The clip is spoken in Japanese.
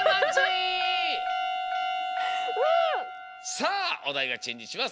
さあおだいがチェンジします！